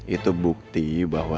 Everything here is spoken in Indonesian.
itu bukti bahwa